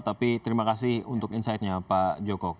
tapi terima kasih untuk insightnya pak joko